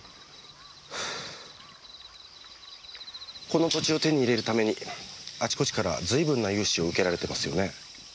この土地を手に入れるためにあちこちから随分な融資を受けられてますよね。